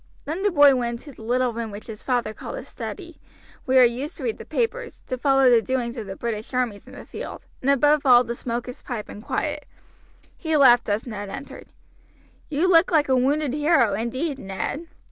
Then the boy went into the little room which his father called his study, where he used to read the papers, to follow the doings of the British armies in the field, and above all to smoke his pipe in quiet. He laughed as Ned entered. "You look like a wounded hero, indeed, Ned.